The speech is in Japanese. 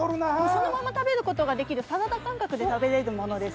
そのまま食べることができるサラダ感覚で食べれるものです。